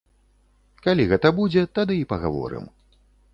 Калі гэта будзе, тады і пагаворым.